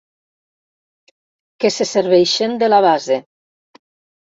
Que se serveixen de la base.